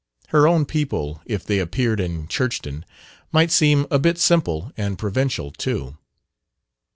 Her own people, if they appeared in Churchton, might seem a bit simple and provincial too.